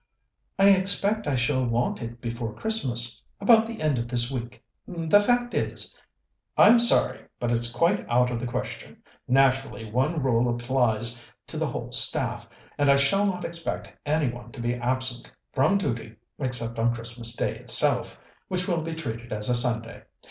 "I expect I shall want it before Christmas about the end of this week. The fact is " "I'm sorry, but it's quite out of the question. Naturally, one rule applies to the whole staff, and I shall not expect any one to be absent from duty except on Christmas Day itself, which will be treated as a Sunday.